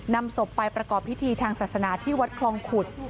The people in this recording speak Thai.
นำศพไปประกอบพิธีทางศาสนาที่วัดคลองขุด